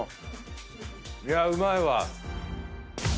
いやうまいわ！